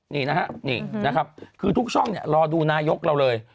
นี่นะครับคือทุกช่องรอดูนายกเราเลย